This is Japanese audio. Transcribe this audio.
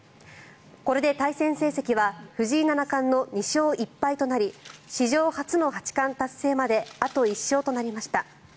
これで対戦成績は藤井七冠の２勝１敗となり史上初の八冠達成まであと１勝となりました。